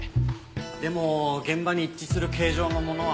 でも現場に一致する形状のものはなかったよ。